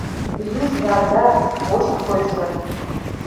Юж яндар, вошт койшо.